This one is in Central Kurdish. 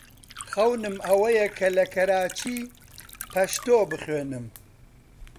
خەونم ئەوەیە کە لە کەراچی پەشتۆ بخوێنم.